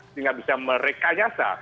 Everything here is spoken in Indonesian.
sehingga bisa merekanyasa